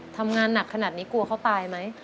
ทำงานหนักขนาดนี้กลัวเขาตายไหม